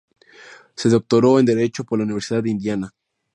Se doctoró en derecho por la Universidad de Indiana.